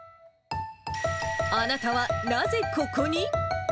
あなたはなぜここに？